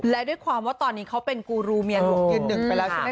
และด้วยความว่าตอนนี้เขาเป็นกูรูเมียหลวงยืนหนึ่งไปแล้วใช่ไหม